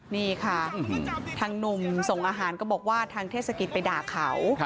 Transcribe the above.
นี่ค่ะทางหนุ่มส่งอาหารก็บอกว่าทางเทศกิจไปด่าเขา